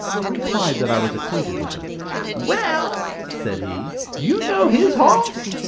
I replied that I was acquainted with him. "Well," said he, "you know his horse?"